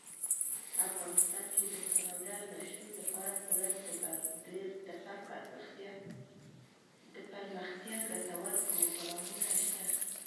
افغانستان کې د سمندر نه شتون لپاره پوره دپرمختیا ګټور پروګرامونه شته دي.